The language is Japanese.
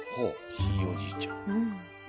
ひいおじいちゃん。